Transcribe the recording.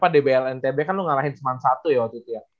dbl ntb kan lo ngalahin sembilan puluh satu ya waktu itu ya